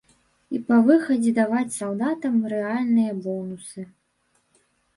І па выхадзе даваць салдатам рэальныя бонусы.